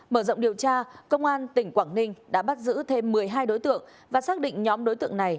mở rộng điều tra công an tỉnh quảng ninh đã bắt giữ thêm một mươi hai đối tượng và xác định nhóm đối tượng này